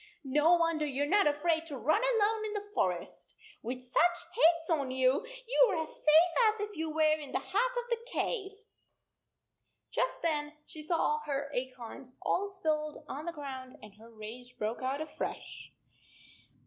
No wonder you are not afraid to run alone in the forest ! With such heads on you, you are as safe as if you were in the heart of the cave." n Just then she saw her acorns all spilled on the ground, and her rage broke out afresh.